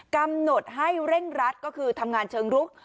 กำหนดให้เร่งรัดก็คือทำงานเชิงรุก